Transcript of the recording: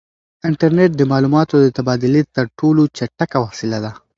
انټرنیټ د معلوماتو د تبادلې تر ټولو چټکه وسیله ده.